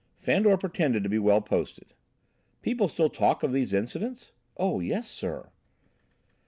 Fandor pretended to be well posted. "People still talk of these incidents?" "Oh, yes, sir."